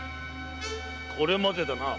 これまでだな。